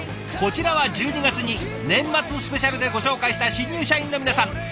こちらは１２月に「年末スペシャル」でご紹介した新入社員の皆さん。